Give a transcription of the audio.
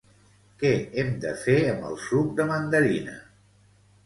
Què hem de fer amb el suc de mandarina?